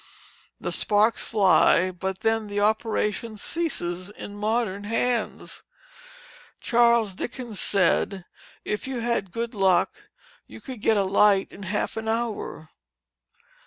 The sparks fly, but then the operation ceases in modern hands. Charles Dickens said if you had good luck, you could get a light in half an hour.